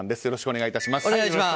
よろしくお願いします。